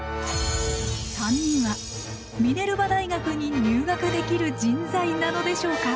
３人はミネルバ大学に入学できる人材なのでしょうか？